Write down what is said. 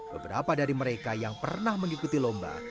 beberapa dari mereka yang pernah mengikuti lomba